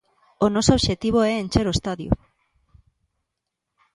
O noso obxectivo é encher o estadio.